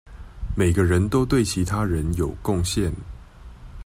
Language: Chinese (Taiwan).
每個人都對其他人有貢獻